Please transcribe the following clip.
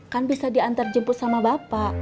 kan bisa diantar jemput sama bapak